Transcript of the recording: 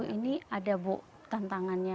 ini ada bu tantangannya